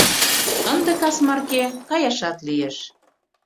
Ынде кас марке каяшат лиеш.